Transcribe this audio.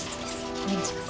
お願いします。